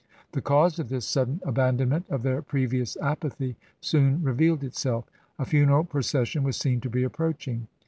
The cause of this sudden abandon ment of their previous apathy soon revealed itself. A funeral procession was seen to be approaching.